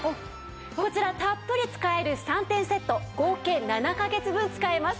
こちらたっぷり使える３点セット合計７カ月分使えます。